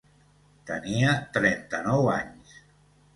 Tenia trenta-nou anys.